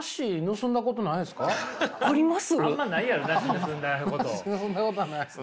盗んだことはないですね。